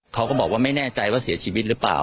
เขาก็บอกว่าไม่แน่ใจว่าเสียชีวิตหรือเปล่า